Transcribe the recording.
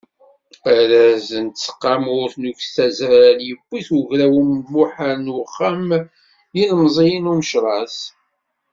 Arraz n tseqqamut n uktazal, yewwi-t ugraw Imuhal n uxxam n yilemẓiyen n Umecras.